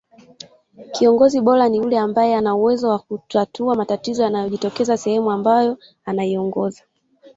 kiongozi bora ni yule ambae ana uwezo wa kutatua matatizo yanayojitokeza sehemu ambayo anaiongoza